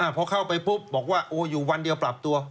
พอเข้าไปปุ๊บบอกว่าโอ้อยู่วันเดียวปรับตัว